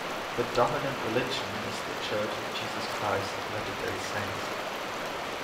The dominant religion is The Church of Jesus Christ of Latter Day Saints.